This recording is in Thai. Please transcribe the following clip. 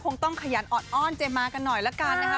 คงต้องขยันออดอ้อนเจมากันหน่อยละกันนะคะ